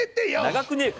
長くねえか？